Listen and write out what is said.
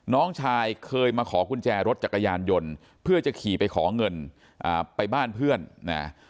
น้องชายเคยมาขอกุญแจรถจักรยานยนต์เพื่อจะขี่ไปขอเงินไปบ้านเพื่อนนะ